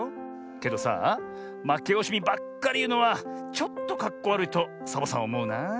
けどさあまけおしみばっかりいうのはちょっとかっこわるいとサボさんおもうなあ。